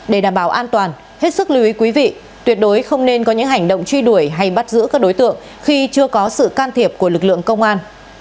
để đảm bảo an toàn hết sức lưu ý quý vị tuyệt đối không nên có những hành động truy đuổi hay bắt giữ các đối tượng khi chưa có sự can thiệp của lực lượng công an